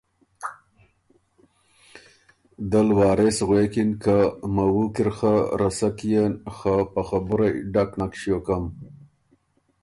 دۀ ل وارث غوېکِن که مَوُو کی ر خه رسک يېن خه په خبُرئ ډک نک ݭیوکم